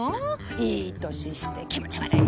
いい年して気持ち悪い。